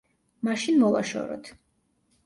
მაშინ მოვაშოროთ.